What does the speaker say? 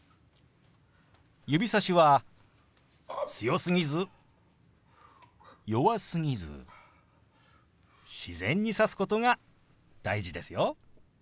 指さしは強すぎず弱すぎず自然に指すことが大事ですよ。